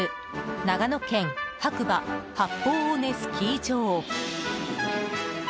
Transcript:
長野県白馬八方尾根スキー場。